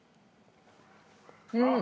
うん！